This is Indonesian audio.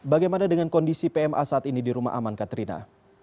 bagaimana dengan kondisi pma saat ini di rumah aman katrina